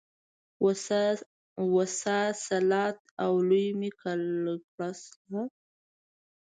وساتلاست او لوی مي کړلاست.